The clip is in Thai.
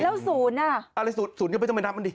แล้วศูนย์น่ะอะไรศูนย์ศูนย์ก็ไม่ต้องไปนับมันดิ